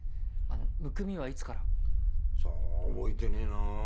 あのむくみはいつから？さあ覚えてねえな。